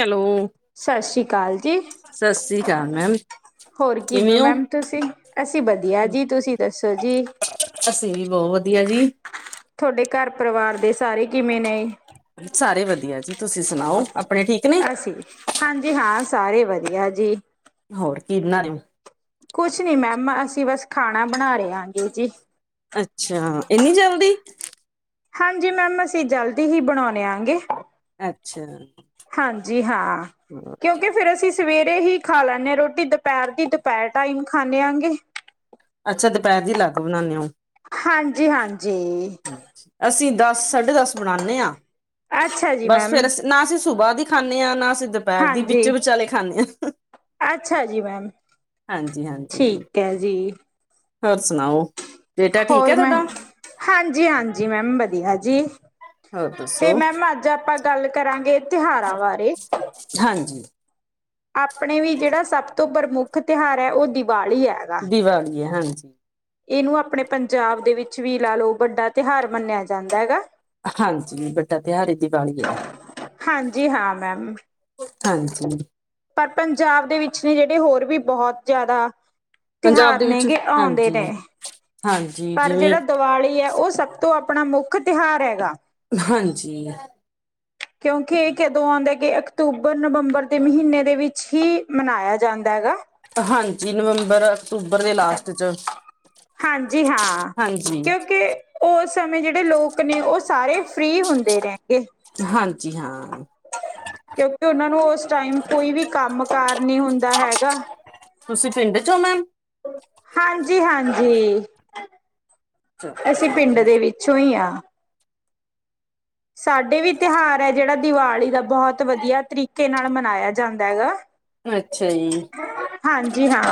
Hello ਸਤਿ ਸ੍ਰੀ ਅਕਾਲ ਜੀ- ਸਤਿ ਸ੍ਰੀ ਅਕਾਲ ਮੈਮ ਹੋਰ ਕਿਵੇਂ ਮੈਮ ਤੁਸੀਂ, ਅਸੀਂ ਵੱਧੀਆ ਜੀ ਤੁਸੀਂ ਦੱਸੋ ਜੀ? ਅਸੀਂ ਵੀ ਬੋਤ ਵੱਧੀਆ ਜੀ। ਤੁਹਾਡੇ ਘਰ ਪਰਿਵਾਰ ਦੇ ਸਾਰੇ ਕਿਵੇਂ ਨੇ? ਸਾਰੇ ਵੱਧੀਆ ਜੀ ਤੁਸੀਂ ਸੁਣਾਓ ਆਪਣੇ ਠੀਕ ਨੇ? ਹਾਂਜੀ ਹਾਂ ਸਾਰੇ ਵੱਧੀਆ ਜੀ। ਹੋਰ ਕੀ ਬਨਾਂ ਰਏ ਔ? ਕੁਛ ਨੀ ਮੈਮ ਅਸੀਂ ਬਸ ਖਾਣਾ ਬਣਾ ਰਏ ਹੈਂਗੇ ਜੀ। ਅੱਛਾ ਏਂਨੀ ਜਲਦੀ? ਹਾਂਜੀ ਮੈਮ ਅਸੀਂ ਜਲਦੀ ਹੀ ਬਣਾਓਣੇ ਹੈਂਗੇ। ਅੱਛਾ ਹਾਂਜੀ ਹਾਂ ਕਿਓਕਿ ਫੇਰ ਅਸੀਂ ਸਵੇਰੇ ਹੀ ਖਾ ਲੈਂਨੇ ਹਾਂ ਰੋਟੀ ਦੁਪੈਰ ਦੀ ਦੁਪੈਰ ਟਾਈਮ ਖਾਂਨੇ ਹੈਂਗੇ- ਅੱਛਾ ਦੁਪੈਰ ਦੀ ਅਲੱਗ ਬਣਾਨੇ ਓ? ਹਾਂਜੀ-ਹਾ ਹਾਂਜੀ, ਅਸੀਂ ਦਸ ਸਾਢੇ ਦੱਸ ਬਣਾਨੇ ਆ। ਅੱਛਾ ਜੀ ਮੈਮ। ਨਾ ਅਸੀਂ ਸੁਬਾ ਦੀ ਖਾਂਨੇ ਆ ਨਾ ਅਸੀਂ ਦ ਦੁਪੈਰ ਦੀ ਹਾਂਜੀ ਵਿੱਚੇ ਵਿਚਾਲੇ ਖਾਂਨੇ ਆ ਹਹ, ਅੱਛਾ ਹਾਂਜੀ ਹਾਂਜੀ। ਕੈ ਜੀ- ਹੋਰ ਸੁਣਾਓ? ਬੇਟਾ ਠੀਕ ਹੋਰ ਹੈ ਤੁਹਾਡਾ ਮੈਂਮ? ਹਾਂਜੀ- ਹਾਂਜੀ ਮੈਮ ਵੱਧੀਆ ਜੀ। ਹੋਰ ਤੇ ਦੱਸੋ ਮੈਮ ਅੱਜ ਆਪਾਂ ਗੱਲ ਕਰਾਂਗੇ ਤਿਹਾਰਾਂ ਬਾਰੇ- ਹਾਂਜੀ। ਆਪਣੇ ਵੀ ਜੇੜਾ ਸਭ ਤੋਂ ਪ੍ਰਮੁੱਖ ਤਿਹਾਰ ਹੈ ਓ ਦੀਵਾਲੀ ਐ ਦੀਵਾਲੀ ਹੈ ਹਾਂਜੀ। ਇਹਨੂੰ ਆਪਣੇ ਪੰਜਾਬ ਦੇ ਵਿੱਚ ਵੀ ਲਾ ਲਓ ਵੱਡਾ ਤਿਉਹਾਰ ਮੰਨਿਆ ਜਾਂਦਾ ਹੈਗਾ। ਹਾਂਜੀ ਵੱਡਾ ਤਿਉਹਾਰ ਦੀਵਾਲੀ ਹੈ। ਹਾਂਜੀ ਹਾਂ ਮੈਮ। ਹਾਂਜੀ ਪਰ ਪੰਜਾਬ ਦੇ ਵਿੱਚ ਨੇ ਜਿਹੜੇ ਹੋਰ ਵੀ ਬਹੁਤ ਜ਼ਿਆਦਾ ਪੰਜਾਬ ਤਿਉਹਾਰ ਦੇ ਨੇ ਵਿੱਚ ਗੇ ਆਉਂਦੇ ਨੇ ਹਾਂਜੀ ਹਾਂਜੀ। ਪਰ ਜਿਵੇਂ ਜਿਹੜਾ ਦੀਵਾਲੀ ਹੈ ਉਹ ਸਭ ਤੋਂ ਆਪਣਾ ਮੁੱਖ ਤਿਉਹਾਰ ਹੈਗਾ। ਹਾਂਜੀ। ਕਿਉਂਕਿ ਏ ਕਦੋਂ ਆਂਦਾ ਕਿ ਅਕਤੂਬਰ -ਨਵੰਬਰ ਦੇ ਮਹੀਨੇ ਦੇ ਵਿੱਚ ਹੀ ਮਨਾਇਆ ਜਾਂਦਾ ਹੈਗਾ। ਹਾਂਜੀ ਨਵੰਬਰ, ਅਕਤੂਬਰ ਦੇ ਲਾਸਟ ਚ। ਹਾਂਜੀ ਹਾਂ। ਹਾਂਜੀ ਕਿਉਂਕਿ ਉਸ ਸਮੇਂ ਜਿਹੜੇ ਲੋਕ ਨੇ, ਉਹ ਸਾਰੇ ਫ੍ਰਰੀ ਹੁੰਦੇ ਰਹੇਗੇ। ਹਾਂਜੀ ਹਾਂ। ਕਿਉਂਕਿ ਉਹਨਾ ਨੂੰ ਉਸ ਟਾਈਮ ਕੋਈ ਵੀ ਕੰਮ ਕਾਰ ਨੀ ਹੁੰਦਾ ਹੈਗਾ। ਤੁਸੀਂ ਪਿੰਡ ਚ ਹੋ ਮੈਮ। ਹਾਂਜੀ-ਹਾਂਜੀ ਅਸੀਂ ਪਿੰਡ ਦੇ ਵਿੱਚੋਂ ਹੀ ਹਾਂ। ਸਾਡੇ ਵੀ ਤਿਉਹਾਰ ਹੈ ਜਿਹੜਾ ਦੀਵਾਲੀ ਦਾ ਬਹੁਤ ਵਧੀਆ ਤਰੀਕੇ ਨਾਲ ਮਨਾਇਆ ਜਾਂਦਾ ਹੈਗਾ। ਅੱਛਾ ਜੀ ਹਾਂਜੀ ਹਾਂ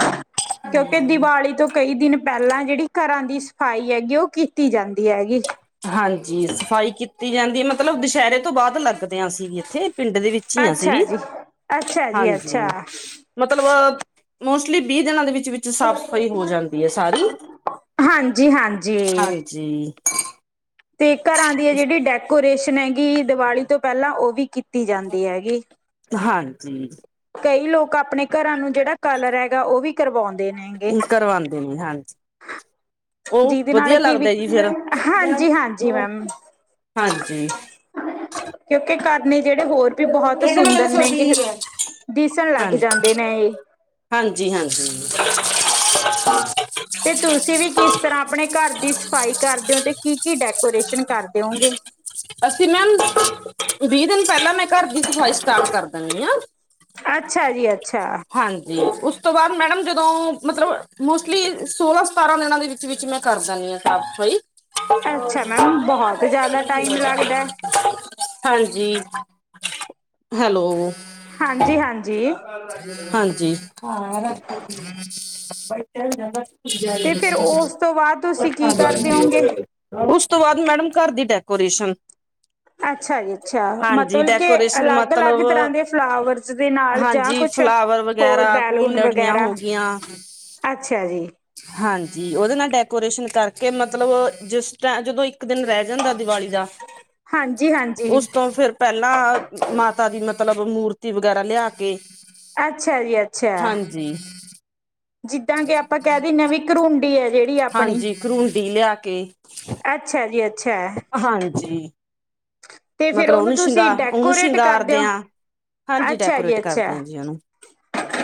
ਕਿਉਂਕਿ ਦੀਵਾਲੀ ਤੋਂ ਕਈ ਦਿਨ ਪਹਿਲਾਂ ਜਿਹੜੀ ਘਰਾਂ ਦੀ ਸਫ਼ਾਈ ਹੈਗੀ, ਉਹ ਕੀਤੀ ਜਾਂਦੀ ਹੈਗੀ ਜੀ। ਹਾਂਜੀ ਸਫ਼ਾਈ ਕੀਤੀ ਜਾਂਦੀ, ਮਤਲਬ ਦੁਸਹਿਰੇ ਤੋਂ ਬਾਅਦ ਲੱਗਦੇ ਹਾਂ ਅਸੀਂ ਵੀ ਇੱਥੇ ਪਿੰਡ ਦੇ ਵਿੱਚ। ਹੀ ਹਾਂ ਅਸੀਂ ਅੱਛਾ ਵੀ ਜੀ, ਅੱਛਾ ਜੀ ਅੱਛਾ। ਮਤਲਬਹ ਮੋਸਟਲੀ ਵੀਹ ਦਿਨਾਂ ਦੇ ਵਿੱਚ ਵਿੱਚ-ਵਿੱਚ ਸਾਫ਼ ਸਫ਼ਾਈ ਹੋ ਜਾਂਦੀ ਹੈ ਸਾਰੀ ਹਾਂਜੀ। ਤੇ ਘਰਾਂ ਦੀਆ ਜਿਹੜੀ ਡੈਕੋਰੇਸ਼ਨ ਹੈਗੀ, ਦੀਵਾਲੀ ਤੋਂ ਪਹਿਲਾਂ ਉਹ ਵੀ ਕੀਤੀ ਕੀਤੀ ਜਾਂਦੀ ਹੈਗੀ। ਹਾਂਜੀ ਕਈ ਲੋਕ ਆਪਣੇ ਘਰਾਂ ਨੂੰ ਜਿਹੜਾ ਕਲਰ ਹੈਗਾ ਉਹ ਵੀ ਕਰਵਾਉਂਦੇ ਨੇ ਹੈਗੇ। ਕਰਵਾਉਂਦੇ ਨੇ ਹਾਂਜੀ ਉਹ ਜਿਹਦੇ ਨਾਲ ਵਧੀਆ ਕਿ ਲੱਗਦਾ ਜੀ ਫੇਰ ਹਾਂਜੀ। ਹਾਂਜੀ-ਹਾਂਜੀ ਮੈਮ ਹਾਂਜੀ ਕਿਉਂਕਿ ਘਰ ਨੇੇ ਜਿਹੜੇ ਹੋਰ ਵੀ ਬਹੁਤ ਇਹਦਾ ਸੁੰਦਰ ਮਤਲਬ ਨੇ ਤੁਹਾਡੀ ਕਿਹ ਹੈ ਦਿਸਣ ਲੱਗ ਜਾਂਦੇ ਨੇ ਇਹ ਹਾਂਜੀ-ਹਾਂਜੀ। [inaudible] ਤੇ ਤੁਸੀਂ ਵੀ ਕਿਸ ਤਰ੍ਹਾਂ ਆਪਣੇ ਘਰ ਦੀ ਸਫਾਈ ਕਰਦੇ ਹੋ ਤੇ ਕੀ ਕੀ ਡੈਕੋਰੇਸ਼ਨ ਕਰਦੇ ਹੋਗੇ। ਅਸੀਂ ਮੈਮ ਵੀਹ ਦਿਨ ਪਹਿਲਾਂ ਮੈਂ ਘਰ ਦੀ ਸਫ਼ਾਈ ਸਟਾਰਟ ਕਰ ਦਣੀ ਆ। ਅੱਛਾ ਜੀ ਅ ਹਾਂਜੀ ਉਸ ਉਸ ਤੋਂ ਬਾਅਦ ਮੈਡਮ ਜਦੋਂ, ਮਤਲਬ ਮੋਸਟਲੀ ਸੋਲਾਂ ਸਤਾਰਾਂ ਦਿਨਾਂ ਦੇ ਵਿੱਚ-ਵਿੱਚ ਮੈਂ ਕਰ ਦਦੀ ਹਾਂ ਸਾਫ਼, ਸਫ਼ਾਈ। ਅੱਛਾ ਮੈਮ ਬਹੁਤ ਜ਼ਿਆਦਾ ਟਾਈਮ ਲੱਗਦਾ। [inaudible] ਹਾਂਜੀ। ਹੈਲੋ ਹਾਂਜੀ-ਹਾਂਜੀ। ਹਾਂਜੀ। ਦ [inaudible] ਤੇ ਫਿਰ ਉਸ ਤੋਂ ਬਾਅਦ ਤੁਸੀਂ ਕੀ ਕਰਦੇ ਹੋਂਗੇ? ਉਸ ਤੋਂ ਬਾਅਦ ਮੈਡਮ ਘਰ ਦੀ ਡੈਕੋਰੇਸ਼ਨ। ਅੱਛਾ ਜੀ ਅੱਛਾ ਹਾਂਜੀ ਮਤਲਬ ਕੇ ਡੈਕੋਰੇਸ਼ਨ ਅਲੱਗ-ਅਲੱਗ ਤਰ੍ਹਾਂ ਮਤਲਬ ਦੇ ਫਲਾਵਰਸ ਦੇ ਨਾਲ ਜਾਂ ਹਾਂਜੀ ਕੁਛ ਫਲਾਵਰ ਹੋਰ ਵਗੈਰਾ, ਕੋਈ ਬੈਲੂਨ ਲੜੀਆਂ ਵਗੈਰਾ, ਹੋਗਿਆਂ। ਅੱਛਾ ਜੀ। ਹਾਂਜੀ ਉਹਦੇ ਨਾਲ ਡੈਕੋਰੇਸ਼ਨ ਕਰਕੇ, ਮਤਲਬ ਜਿਸ ਟ ਜਦੋਂ ਇੱਕ ਦਿਨ ਰਹਿ ਜਾਂਦਾ ਦੀਵਾਲੀ ਦਾ। ਹਾਂਜੀ-ਹਾਂਜੀ, ਉਸ ਤੋਂ ਫਿਰ ਪਹਿਲਾਂ ਮਾਤਾ ਦੀ ਮਤਲਬ ਮੂਰਤੀ ਵਗੈਰਾ ਲਿਆ ਕੇ ਅੱਛਾ ਜੀ ਅੱਛਾ। ਜੀ। ਜਿੱਦਾਂ ਕਿ ਆਪਾਂ ਕਹਿ ਦੇਨੇ ਆ ਵੀਂ ਕਰੂੰਡੀ ਹੈ ਜਿਹੜੀ ਆਪਣੀ, ਹਾਂਜੀ ਕਰੂੰਡੀ ਲਿਆ ਕੇ ਅੱਛਾ ਜੀ ਅ ਹਾਂਜੀ। ਤੇ ਫੇਰ ਮਤਲਬ ਓਨੂੰ ਉਹਨੂੰ ਤੁਸੀਂ ਸ਼ਿੰਗਾਰ ਉਹਨੂੰ ਡੈਕੋਰੇਟ ਕਰ ਦੇ ਸ਼ਿੰਗਾਰਦੇ ਓ ਹਾਂ ਹਾਂਜੀ ਅੱਛਾ ਜੀ ਡੈਕੋਰੇਟ ਕਰਦੇ ਅੱਛਾ। ਹਾਂ ਜੀ ਉਹਨੂੰ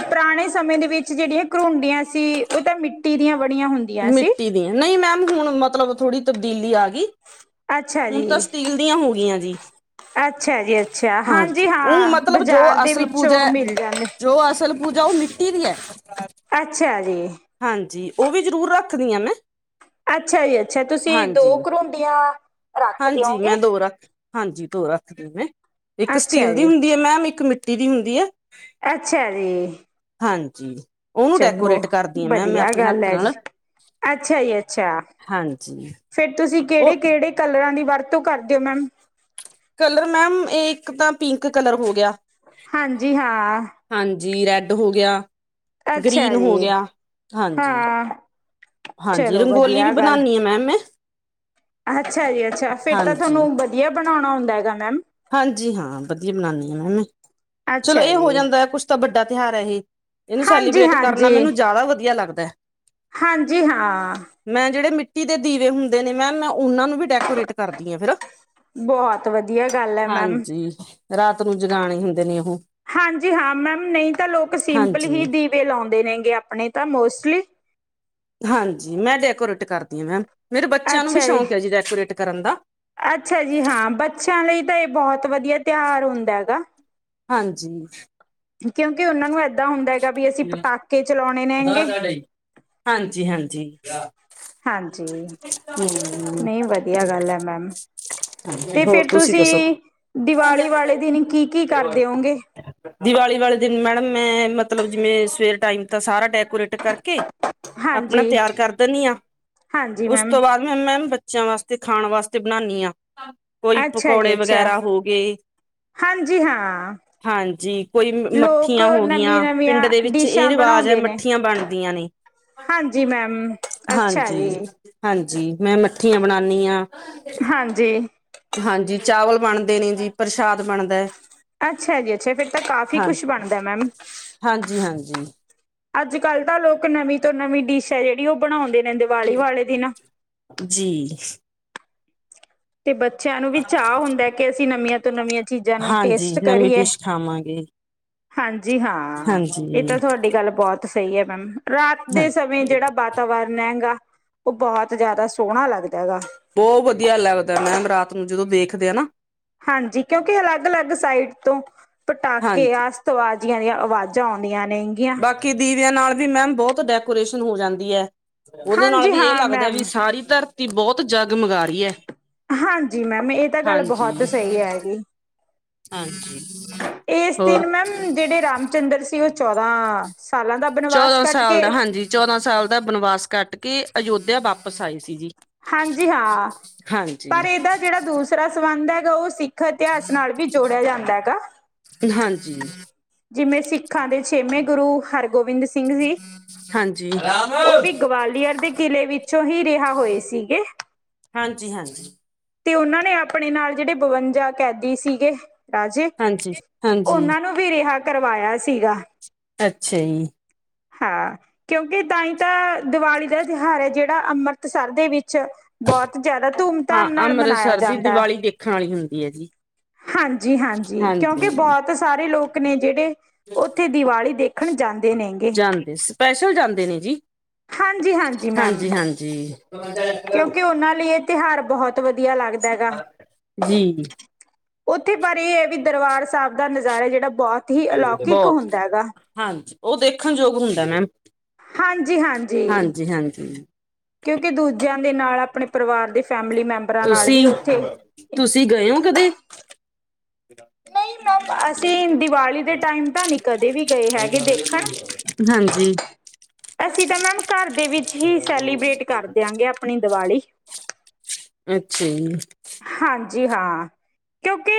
ਪੁਰਾਣੇ ਸਮੇਂ ਦੇ ਵਿੱਚ ਜੇੜੀਆਂ ਘਰੁੰਡੀਆਂ ਸੀ, ਓ ਤਾਂ ਮਿੱਟੀ ਦੀਆਂ ਬਨੀਆਂ ਹੁੰਦੀਆਂ ਸੀ। ਮਿੱਟੀ ਦੀਆਂ ਨਈ ਮੈਮ ਹੁਣ ਮਤਲਬ ਥੋੜੀ ਤਬਦੀਲੀ ਆ ਗਈ। ਅੱਛਾ ਹੁਣ ਤਾਂ ਜੀ। ਸਟੀਲ ਦੀਆਂ ਹੋ ਗਈਆਂ ਜੀ। ਅੱਛਾ ਜੀ ਅੱਛਾ, ਹਾਂਜੀ ਉਹ ਹਾਂ ਮਤਲਬ ਜੋ ਬਾਜ਼ਾਰ ਦੇ ਅਸਲ ਵਿੱਚੋਂ ਪੂਜਾ ਮਿਲ ਜਾਂਦੇ ਜੋ ਅਸਲ ਪੂਜਾ ਓ ਮਿੱਟੀ ਦੀ ਐ। ਅੱਛਾ ਜੀ। ਹਾਂਜੀ, ਓ ਵੀ ਜ਼ਰੂਰ ਰੱਖਦੀ ਐ ਮੈਂ ਅੱਛਾ ਜੀ ਅੱਛਾ, ਤੁਸੀਂ ਹਾਂਜੀ ਦੋ ਕਰੁੰਡੀਆਂ ਹਾਂਜੀ ਮੈਂ ਦੋ ਰੱਖ ਹਾਂਜੀ ਦੋ ਰੱਖਦੀਆ ਮੈਂ, ਇੱਕ ਸਟੀਲ ਅੱਛਾ ਦੀ ਜੀ ਹੁੰਦੀ ਐ ਮੈਮ ਇੱਕ ਮਿੱਟੀ ਮਿੱਟੀ ਦੀ ਹੁੰਦੀ ਐ। ਅੱਛਾ ਜੀ। ਹਾਂਜੀ ਓਨੂੰ ਚਲੋ ਡੈਕੋਰੇਟ ਕਰਦੀ ਆ ਮੈ ਮੈਂਮ ਵਧੀਆ ਆਪਣੇ ਗੱਲ ਹੱਥ ਹੈ ਜੀ ਨਾਲ ਅੱਛਾ ਜੀ ਅੱਛਾ। ਹਾਂਜੀ। ਫੇਰ ਤੁਸੀਂ ਉਹ ਕੇੜੇ-ਕੇੜੇ ਕਲਰਾਂ ਦੀ ਵਰਤੋਂ ਕਰਦੇ ਓ ਮੈਮ? ਕਲਰ ਮੈਮ ਇੱਕ ਤਾਂ ਪਿੰਕ ਕਲਰ ਹੋ ਗਿਆ। ਹਾਂਜੀ ਹਾਂ। ਹਾਂਜੀ ਰੈਡ ਹੋ ਗਿਆ, ਅੱਛਾ ਗਰੀਨ ਹੋ ਜੀ ਗਿਆ, ਹਾਂਜੀ। ਹਾਂ ਹਾਂਜੀ ਚਲੋ ਰੰਗੋਲੀ ਵੀ ਵਧੀਆ ਗੱਲ ਬਣਾਨੀ ਆ ਮੈਮ ਮੈਂ ਅੱਛਾ ਜੀ ਅੱਛਾ, ਫੇਰ ਤਾਂ ਹਾਂਜੀ ਤੁਆਨੂੰ ਵਦੀਆ ਬਨੋਨਾ ਔਦਾ ਐਗਾ ਮੈਮ। ਹਾਂਜੀ ਹਾਂ ਵਦੀਆ ਬਨਾਨੀ ਆ ਮੈਮ ਮੈ, ਚਲੋ ਅੱਛਾ ਏ ਜੀ ਹੋ ਜਾਂਦਾ ਹੈ ਕੁਛ ਤਾਂ ਵੱਡਾ ਤਿਹਾਰ ਐ ਏਹ। ਏਨੂੰ ਹਾਂਜੀ ਸੈਲੀਬਰੈਟ ਕਰਨਾ ਹਾਂਜੀ ਮੈਨੂੰ ਜਾਦਾ ਵਦੀਆ ਲੱਗਦੈ। ਹਾਂਜੀ ਹਾਂ। ਮੈਂ ਜੇੜੇ ਮਿੱਟੀ ਦੇ ਦੀਵੇ ਹੁੰਦੇ ਨੇ ਮੈਮ ਮੈਂ ਓਨਾਂ ਨੂੰ ਵੀ ਡੈਕੋਰੇਟ ਕਰਦੀ ਆਂ ਫੇਰ ਬਹੁਤ ਵਦੀਆ ਗੱਲ ਐ ਮੈਮ। ਹਾਂਜੀ ਰਾਤ ਨੂੰ ਜਗਾਣੇ ਹੁੰਦੇ ਨੇ ਉਹ ਹਾਂਜੀ ਹਾਂ ਮੈਮ ਨਈ ਤਾਂ ਲੋਕ ਸਿੰਪਲ ਹੀ ਹਾਂਜੀ ਦੀਵੇ ਲੋਦੇ ਨੇ ਗੇ ਆਪਣੇ ਤਾਂ ਮੋਸਟਲੀ। ਹਾਂਜੀ ਮੈਂ ਡੈਕੋਰੇਟ ਕਰਦੀ ਆ ਮੈਮ ਮੇਰੇ ਬੱਚਿਆਂ ਨੂੰ ਵੀ ਸ਼ੌਂਕ ਐ ਜੀ ਡੈਕੋਰੇਟ ਕਰਨ ਦਾ। ਅੱਛਾ ਜੀ ਹਾਂ ਬੱਚਿਆਂ ਲਈ ਤਾਂ ਏ ਬੋਹਤ ਵਦੀਆ ਤਿਹਾਰ ਹੁੰਦਾ ਐਗਾ। ਹਾਂਜੀ। ਕਿਓਕਿ ਓਨਾਂ ਨੂੰ ਏਦਾਂ ਹੁੰਦਾ ਹੈਗਾ ਵੀ ਅਸੀਂ ਪਟਾਕੇ ਚਲਾਉਣੇ ਅਦਾਰ ਨੇਗੇ ਕਾਰਡ ਏ ਜੀ, ਹਾਂਜੀ। ਹਾਂਜੀ, ਨਈ ਵਦੀਆ ਗੱਲ ਹੈ ਮੈਮ। ਹਾਂਜੀ ਤੇ ਹੋਰ ਫੇਰ ਦੱਸੋ ਤੁਸੀਂ ਦੀਵਾਲੀ ਵਾਲੇ ਦਿਨ ਕੀ-ਕੀ ਕਰਦੇ ਓ ਗੇ? ਦੀਵਾਲੀ ਵਾਲੇ ਦਿਨ ਮੈਡਮ ਮੈਂ, ਮਤਲਬ ਜਿਵੇਂ ਸਵੇਰ ਟਾਈਮ ਤਾ ਸਾਰਾ ਡੈਕੋਰੇਟ ਕਰਕੇ ਆਪਣਾ ਹਾਂਜੀ ਤਿਆਰ ਕਰ ਦਨੀ ਆ, ਹਾਂਜੀ ਓਸ ਮੈਮ ਤੋਂ ਬਾਅਦ ਮੈਮ ਬੱਚੇਆਂ ਵਾਸਤੇ ਖਾਣ ਵਾਸਤੇ ਬਨਾਨੀ ਆ। ਕੋਈ ਅੱਛਾ ਜੀ ਪਕੌੜੇ ਅੱਛਾ ਵਗੈਰਾ ਹੋ ਗੇ। ਹਾਂਜੀ ਹਾਂ। ਹਾਂਜੀ ਕੋਈ ਲੋਕ ਮੱਠੀਆਂ ਹੋ ਗਈਆਂ, ਪਿੰਡ ਨਵੀਂ-ਨਵੀਆਂ ਦੇ ਵਿੱਚ ਏ ਡਿਸ਼ਾਂ ਰਿਵਾਜ਼ ਬਣਾਉਂਦੇ ਨੇ। ਮੱਠੀਆਂ ਬਨਦੀਆਂ ਨੇ, ਹਾਂਜੀ ਮੈਮ, ਅੱਛਾ ਹਾਂਜੀ। ਜੀ, ਹਾਂਜੀ, ਮੈਂ ਮੱਠੀਆਂ ਬਨਾਨੀ ਆ। ਹਾਂਜੀ। ਹਾਂਜੀ ਚਾਵਲ ਬਣਦੇ ਨੇ ਜੀ, ਪਰਸ਼ਾਦ ਬਣਦਾ ਐ। ਅੱਛਾ ਜੀ ਅੱਛਾ, ਫੇਰ ਤਾਂ ਕਾਫੀ ਕੁਸ਼ ਬਨਦੈ ਮੈਮ। ਹਾਂਜੀ ਹਾਂਜੀ ਅੱਜ ਕੱਲ ਤਾਂ ਲੋਕ ਨਵੀਂ ਤੋਂ ਨਵੀਂ ਡਿਸ਼ ਏ ਜੇੜੀ ਉ ਬਣਾਉਂਦੇ ਨੇ ਦੀਵਾਲੀ ਵਾਲੇ ਦਿਨ। ਜੀ। ਤੇ ਬੱਚਿਆਂ ਨੂੰ ਵੀ ਚਾ ਹੁੰਦੈ ਕੇ ਅਸੀਂ ਨਵੀਆਂ ਤੋਂ ਨਵੀਆਂ ਚੀਜ਼ਾਂ ਨੂੰ ਟੇਸਟ ਕਰੀਏ। ਖਵਾਂਗੇ। ਹਾਂਜੀ ਹਾਂ ਏ ਤਾਂ ਤੁਹਾਡੀ ਗੱਲ ਬੋਤ ਸਈ ਏ ਮੈਮ, ਰਾਤ ਹਾਂ ਦੇ ਸਮੇਂ ਜੇੜਾ ਬਾਦ ਵਾਤਾਵਰਨ ਹੈਗਾ ਉ ਬੋਤ ਜਾਦਾ ਸੋਣਾ ਲੱਗਦਾ ਹੈਗਾ। ਬੋਤ ਵਧੀਆ ਲਗਦਾ ਮੈਮ ਰਾਤ ਨੂੰ ਜਦੋਂ ਦੇਖਦੇ ਆ ਨਾ- ਹਾਂਜੀ ਕਿਉਂਕਿ ਅਲੱਗ-ਅਲੱਗ ਸਾਈਡ ਤੋਂ ਪਟਾਕੇ ਹਾਂਜੀ ਆਸ- ਵਾਜ਼ੀਆਂ ਦੀਆਂ ਆਵਾਜ਼ਾਂ ਆਉਂਦੀਆਂ ਨੇ- ਬਾਕੀ ਦੀਵਿਆਂ ਨਾਲ ਵੀ ਮੈਮ ਬੋਤ ਡੈਕੋਰੇਸ਼ਨ ਹੋ ਜਾਂਦੀ ਐ। ਉਦੇ ਨਾਲ ਹਾਂਜੀ ਵੀ ਏ ਹਾਂ ਲੱਗਦਾ ਵੀ ਮੈਮ ਸਾਰੀ ਧਰਤੀ ਬੋਤ ਜਗਮਗਾ ਰਹੀ ਐ। ਹਾਂਜੀ ਮੈਮ ਏ ਤਾਂ ਗੱਲ ਹਾਂਜੀ, ਬਹੁਤ ਸਈ ਹੈਗੀ। ਹਾਂਜੀ ਏਸ ਦਿਨ ਹੋਰ ਮੈਮ ਜੇੜੇ ਰਾਮ ਚੰਦਰ ਸ ਸੀ ਉ ਚੌਦਾਂ ਸਾਲਾਂ ਦਾ ਬਨਵਾਸ ਚੌਦਾਂ ਕੱਟ ਸਾਲ ਕੇ ਦਾ ਹਾਂਜੀ ਚੌਦਾਂ ਸਾਲ ਦਾ ਬਨਵਾਸ ਕੱਟ ਕੇ ਅਯੋਧਿਆ ਵਾਪਿਸ ਆਏ ਸੀ ਜੀ। ਹਾਂਜੀ ਹਾਂ, ਹਾਂਜੀ, ਹਾਂਜੀ, ਪਰ ਏਦਾ ਜੇੜਾ ਦੂਸਰਾ ਸੰਬੰਧ ਹੈਗਾ ਉ ਸਿੱਖ- ਸ ਇਤਿਹਾਸ ਨਾਲ ਵੀ ਜੋੜਿਆ ਜਾਂਦਾ ਹੈਗਾ। ਹਾਂਜੀ। ਜਿਵੇਂ ਸਿੱਖਾਂ ਦੇ ਛੇਵੇਂ ਗੁਰੂ ਹਰ ਗੋਬਿੰਦ ਸਿੰਘ ਜੀ ਹਾਂਜੀ, ਉ ਵੀ ਗਵਾਲੀਅਰ ਦੇ ਕਿਲੇ ਵਿੱਚ ਚੋ ਹੀ ਰਿਹਾ ਹੋਏ ਸੀਗੇ। ਹਾਂਜੀ-ਹਾਂਜੀ। ਤੇ ਉਨਾਂ ਨੇ ਆਪਣੇ ਨਾਲ ਜੇੜੇ ਬਵੰਜਾ ਕੈਦੀ ਸੀਗੇ- ਰਾਜੇ ਹਾਂਜੀ, ਹਾਂਜੀ ਉਨਾਂ ਨੂੰ ਵੀ ਰਿਹਾ ਕਰਵਾਇਆ ਸੀਗਾ। ਅੱਛਾ ਜੀ। ਹਾਂ, ਕਿਉਂਕਿ ਤਾਂ ਹੀ ਤਾਂ ਦੀਵਾਲੀ ਦਾ ਤਿਉਹਾਰ ਏ ਜੇੜਾ ਅੰਮ੍ਰਿਤਸਰ ਦੇ ਵਿੱਚ ਬਹੁਤ ਜਾਦਾ ਧੂਮ ਧਾਮ ਨਾਲ ਮਨਾਇਆ ਜਾਂਦੈ। ਖਾਨੀ ਹੁੰਦੀ ਏ ਜੀ। ਹਾਂਜੀ-ਹਾਂਜੀ ਕਿਉਂਕਿ ਹਾਂਜੀ। ਬੋਹਤ ਸਾਰੇ ਲੋਕ ਨੇ ਜੇੜੇ- ਉੱਥੇ ਦੀਵਾਲੀ ਦੇਖਣ ਜਾਂਦੇ ਨੇਗੇ। ਜਾਂਦੇ ਸਪੈਸ਼ਲ ਜਾਂਦੇ ਨੇ ਜੀ। ਹਾਂਜੀ-ਹਾਂਜੀ ਮੈਮ ਹਾਂਜੀ, ਹਾਂਜੀ। ਕਿਉਂਕਿ ਉਨਾਂ ਲਈ ਏ ਤਿਉਹਾਰ ਬਹੁਤ ਬਹੁਤ ਵਧੀਆ ਲੱਗਦਾ ਹੈਗਾ। ਜੀ ਉੱਥੇ ਪਰ ਏ ਹੈ ਵੀ ਦਰਬਾਰ ਸਾਹਿਬ ਦਾ ਨਜ਼ਾਰਾ ਜੇੜਾ ਬੋਤ- ਬੋਤ, ਹਾਂਜੀ ੳ ਦੇਖਣਜੋਗ ਹੁੰਦਾ ਮੈਮ। ਹਾਂਜੀ-ਹਾਂਜੀ। ਹਾਂਜੀ ਹਾਂਜੀ ਕਿਉਂਕਿ ਦੂਜਿਆਂ ਦੇ ਨਾਲ ਆਪਣੇ ਪਰਿਵਾਰ ਦੇ ਫੈਮਿਲੀ ਮੈਂਮ- ਤੁਸੀਂ, ਤੁਸੀਂ ਗਏ ੳਂ ਕਦੇ? ਨਈ ਮੈਮ ਅਸੀਂ ਦੀਵਾਲੀ ਦੇ ਟਾਈਮ ਤਾਂ ਨੀ ਕਦੇ ਵੀ ਗਏ ਹੈਗੇ ਦੇਖਣ- ਹਾਂਜੀ। ਅਸੀਂ ਤਾਂ ਮੈਮ ਘਰ ਦੇ ਵਿੱਚ ਹੀ ਸੈਲੀਬ੍ਰੇਟ ਕਰ ਦਿਆਂਗੇ ਆਪਣੀ ਦੀਵਾਲੀ- ਅੱਛਾ ਜੀ- ਹਾਂਜੀ ਹਾਂ। ਕਿਉਂਕਿ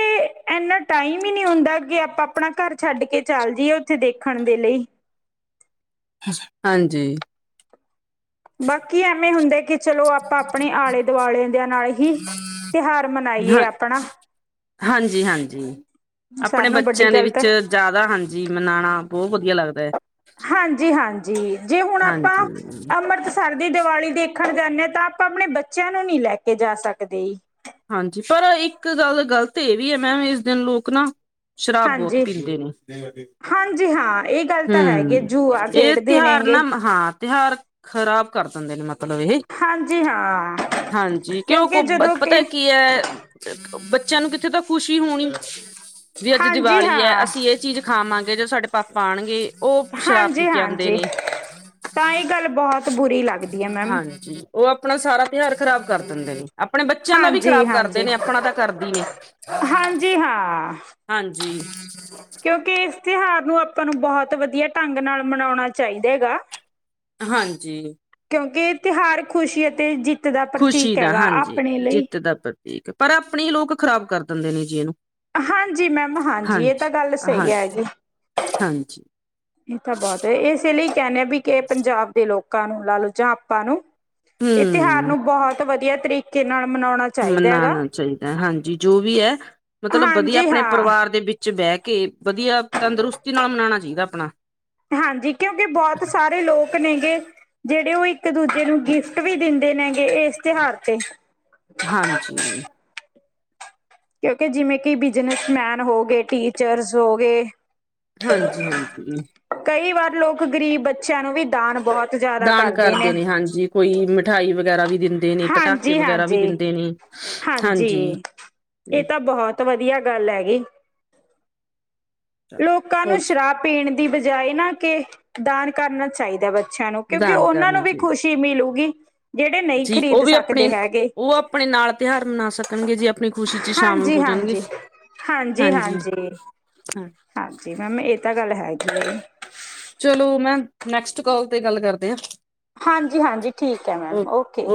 ਇਨਾ ਟਾਈਮ ਈ ਨੀ ਹੁੰਦਾ ਕਿ ਆਪਾਂ ਆਪਣਾ ਘਰ ਛੱਡ ਕੇ ਚੱਲ ਜਾਈਏ ਉੱਥੇ ਦੇਖਣ ਦੇ ਲਈ। ਹਾਂਜੀ। ਬਾਕੀ ਐਵੇਂ ਹੁੰਦੈ ਕੀ ਚਲੋ ਆਪਾਂ ਆਪਨੇ ਆਲੇ ਦੁਆਲੇ ਦੇਆਂ ਨਾਲ ਹੀ, ਤਿਹਾਰ ਮਨਾਈਏ ਆਪਨਾ। ਹਾਂਜੀ-ਹਾਂਜੀ, ਆਪਨੇ ਸਾਰਿਆਂ ਨੂੰ ਵੱਡੀ ਬੱਚੇਆਂ ਦੇ ਗੱਲ ਵਿੱਚ ਤਾਂ ਜਾਦਾ ਹਾਂਜੀ ਮਨਾਨਾ ਬਹੁ ਵਦੀਆ ਲੱਗਦਾ। ਹਾਂਜੀ-ਹਾਂਜੀ, ਜੇ ਹੁਨ ਆਪਾਂ ਹਾਂਜੀ ਅੰਮਰਤਸ ਸਰ ਦੀ ਦਵਾਲੀ ਦੇਖਨ ਜਾਂਨੇ ਆਂ ਤਾਂ ਆਪਾਂ ਆਪਨੇ ਬੱਚੇਆਂ ਨੂੰ ਨੀ ਲੈ ਕੇ ਜਾ ਸਕਦੇ ਜੀ। ਹਾਂਜੀ ਪਰ ਇੱਕ ਗੱਲ ਗਲਤ ਏ ਵੀ ਐ ਮੈਮ ਇਸ ਦਿਨ ਲੋਕ ਨਾ ਸ਼ਰਾਬ ਬੋਤ ਹਾਂਜੀ ਪੀਂਦੇ ਨੇ। ਹਾਂਜੀ ਹਾਂ ਇਹ ਗੱਲ ਤਾਂ ਹੈਗੀ ਹੂੰ, ਜੂਆ ਏ ਖੇਡਦੇ ਤਿਉਹਾਰ ਨੇਗੇ ਨਾ ਮਤ ਹਾਂ ਤਿਉਹਾਰ ਖ਼ਰਾਬ ਕਰ ਦਿੰਦੇ ਨੇ ਮਤਲਬ ਏਹੇ ਹਾਂਜੀ ਹਾਂ। ਹਾਂਜੀ ਕਿਓਂ ਕੋ ਕਿਉਂਕਿ ਜਦੋਂ ਪਤਾ ਕਿ ਕੀ ਕੀ ਐ ਬੱਚੇਆਂ ਨੂੰ ਕਿੱਥੇ ਤਾਂ ਖੁਸ਼ੀ ਹੋਨੀ ਵੀ ਅੱਜ ਹਾਂਜੀ ਦੀਵਾਲੀ ਐ ਹਾਂ ਅਸੀਂ ਏ ਚੀਜ਼ ਖਾਵਾਂਗੇ ਜਦੋ ਸਾਡੇ ਪਾਪਾ ਆਨਗੇ। ਓ ਸ਼ਰਾਬ ਪੀ ਹਾਂਜੀ ਕੇ ਆਂਦੇ ਹਾਂਜੀ ਨੇ। ਤਾਂ ਏ ਗੱਲ ਬੋਤ ਬੁਰੀ ਲੱਗਦੀ ਐ ਮੈਮ। ਓ ਆਪਨਾ ਸਾਰਾ ਤਿਹਾਰ ਖ਼ਰਾਬ ਕਰ ਦਿੰਦੇ ਨੇ। ਆਪਨੇ ਬੱਚੇਆਂ ਦਾ ਵੀ ਹਾਂਜੀ ਖ਼ਰਾਬ ਕਰਦੇ ਹਾਂਜੀ ਨੇ ਆਪਨਾ ਤਾਂ ਕਰਦੀ ਨੇ। ਹਾਂਜੀ ਹਾਂਜੀ। ਕਿਓਂਕਿ ਇਸ ਤਿਉਹਾਰ ਨੂੰ ਆਪਾਂ ਨੂੰ ਬਹੋਤ ਵਦੀਆ ਢੰਗ ਨਾਲ ਮਨੌਨਾ ਚਾਈਦਾ ਗਾ। ਹਾਂਜੀ ਕਿਓਂਕਿ ਏ ਤਿਹਾਰ ਖ਼ੁਸ਼ੀ ਅਤੇ ਜਿੱਤ ਦਾ ਪ੍ਰਤੀਕ ਹੈਗਾ ਆਪਨੇ ਲਈ। ਠੀਕ ਐ ਪਰ ਆਪਨੇ ਈ ਲੋਕ ਖ਼ਰਾਬ ਕਰ ਦਿੰਦੇ ਨੇ ਜੀ ਏਨੂੰ। ਹਾਂਜੀ ਮੈਮ ਹਾਂਜੀ ਏ ਤਾਂ ਗੱਲ ਸਈ ਹਾਂ ਐ ਗੀ। ਹਾਂਜੀ ਏ ਤਾਂ ਬੋਤ ਐ ਏਸੇ ਲਈ ਕੈਂਨੇ ਆਂ ਵੀ ਕੇ ਪੰਜਾਬ ਦੇ ਲੋਕਾਂ ਨੂੰ ਲਾਲੋ ਜਾਂ ਆਪਾਂ ਨੂੰ ਏ ਤਿਹਾਰ ਨੂੰ ਬੋਤ ਵਦੀਆ ਤਰੀ ਮਨਾਨਾ ਚਾਈਦਾ ਐ ਹਾਂਜੀ ਜੋ ਵੀ ਐ, ਮਤਲਬ ਵਦੀਆ ਹਾਂਜੀ ਆਪਨੇ ਹਾਂ ਪਰਿਵਾਰ ਦੇ ਵਿੱਚ ਵਿੱਚ ਬੈ ਕੇ ਵਦੀਆ ਤੰਦਰੁਸਤੀ ਨਾਲ ਮਨਾਨਾ ਚਾਈਦਾ ਆਪਨਾ। ਹਾਂਜੀ, ਕਿਓਂਕਿ ਬੋਤ ਸਾ ਸਾਰੇ ਲੋਕ ਨੇ ਗੇ ਜੇੜੇ ਓ ਇੱਕ ਦੂਜੇ ਨੂੰ ਗਿਫਟ ਵੀ ਦਿੰਦੇ ਨੇ ਗੇ ਏਸ ਤਿਹਾਰ ਤੇ। ਹਾਂਜੀ ਕਿਓਂਕਿ ਜਿਵੇਂ ਕੇ ਬਿਜਨਸਮੈਨ ਹੋਗੇ, ਟੀਚਰਸ ਹੋਗੇ ਹਾਂਜੀ-ਹਾਂਜੀ ਕਈ ਵਾਰ ਲੋਕ ਗਰੀਬ ਬੱਚਿਆਂ ਨੂੰ ਵੀ ਦਾਨ ਬਹੋਤ ਜਾਦਾ ਕਰਦੇ ਨੇ। ਕੋਈ ਮਿਠਾਈ ਵਗੈਰਾ ਵੀ ਦਿੰ ਦਿੰਦੇ ਨੇ ਪਟਾਕੇ ਹਾਂਜੀ ਵਗੈਰਾ ਵੀ ਹਾਂਜੀ ਦਿੰਦੇ ਨੇ, ਹਾਂਜੀ। ਵਦੀਆ ਗੱਲ ਹੈਗੀ। ਲੋਕਾਂ ਨੂੰ ਹੋਰ ਸ਼ਰਾਬ ਪੀਨ ਦੀ ਬਜਾਏ ਨਾ ਕੇ ਦਾਨ ਕਰਨਾ ਚਾਈਦਾ ਬੱ ਬੱਚੇਆਂ ਨੂੰ ਕਿਓਂਕਿ ਦਾਨ ਓਨਾਂ ਨੂੰ ਕਰਨਾ ਵੀ ਚਾਹੀਦਾ ਖੁਸ਼ੀ ਮਿਲੂਗੀ। ਜਿਹੜੇ ਨਹੀਂ ਜੀ ਓ ਖ਼ਰੀਦ ਵੀ ਆਪਨੇ ਸਕਦੇ ਨਾ ਹੈਗੇ ਓ ਆਪਨੇ ਨਾਲ ਤਿਹਾਰ ਮਨਾ ਸਕਨਗੇ ਜੀ ਆਪਨੀ ਖੁਸ਼ੀ ਚ ਸ਼ਾਮਲ ਹੋ ਜਨਗੇ। ਹਾਂਜੀ-ਹਾਂਜੀ। ਹਾਂ ਹਾਂਜੀ ਮੈਮ ਏ ਤਾਂ ਗੱਲ ਹੈਗੀ ਏ। ਚਲੋ ਮੈਮ ਨੈਕਸਟ ਕੋਲ ਤੇ ਗੱਲ ਕਰਦੇ ਆ। ਹਾਂਜੀ-ਹਾਂਜੀ ਠੀਕ ਐ ਓ ਮੈਮ ਓਕੇ।